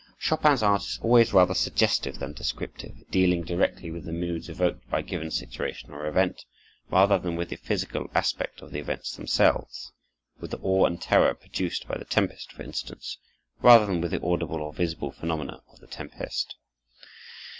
Chopin's art is always rather suggestive than descriptive, dealing directly with the moods evoked by a given situation or event, rather than with the physical aspect of the events themselves; with the awe and terror produced by the tempest, for instance, rather than with the audible or visible phenomena of the tempest.